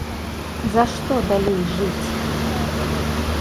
За што далей жыць?